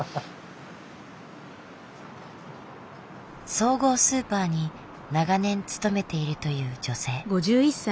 総合スーパーに長年勤めているという女性。